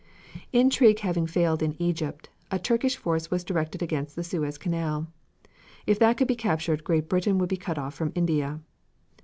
Intrigue having failed in Egypt, a Turkish force was directed against the Suez Canal. If that could be captured Great Britain could be cut off from India.